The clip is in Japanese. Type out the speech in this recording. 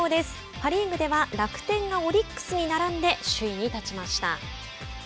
パ・リーグでは楽天がオリックスに並んで首位に立ちました。